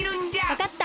わかった！